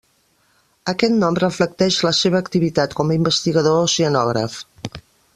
Aquest nom reflecteix la seva activitat com a investigador oceanògraf.